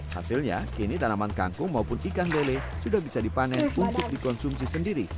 hasilnya kini tanaman kangkung maupun ikan lele sudah bisa dipanen untuk dikonsumsi sendiri